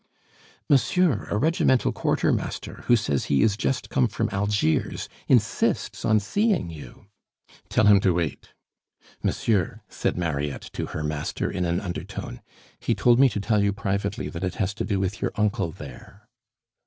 "Monsieur, a regimental quartermaster, who says he is just come from Algiers, insists on seeing you." "Tell him to wait." "Monsieur," said Mariette to her master in an undertone, "he told me to tell you privately that it has to do with your uncle there."